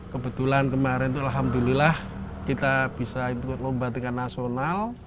kebetulan kemarin itu alhamdulillah kita bisa ikut lomba tingkat nasional